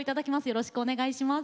よろしくお願いします。